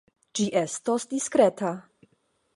Ĝi estos diskreta.